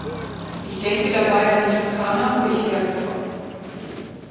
Ich denke dabei an die Toskana, wo ich herkomme.